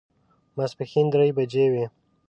ماسپښین درې بجې وې.